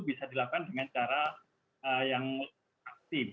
bisa dilakukan dengan cara yang aktif